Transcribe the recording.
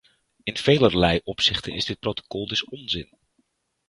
In velerlei opzichten is dit protocol dus onzin.